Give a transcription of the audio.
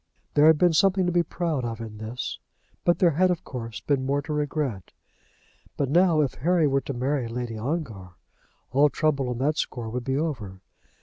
There had been something to be proud of in this, but there had, of course, been more to regret. But now if Harry were to marry Lady Ongar, all trouble on that score would be over.